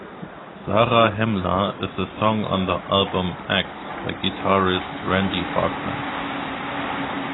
"Zarahemla" is a song on the album "Axe" by guitarist Randy Bachman.